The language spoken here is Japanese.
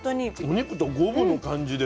お肉と五分の感じです。